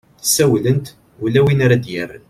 ssawlent ula win ara ad-yerren